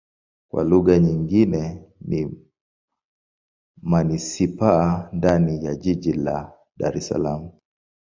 Kwa lugha nyingine ni manisipaa ndani ya jiji la Dar Es Salaam.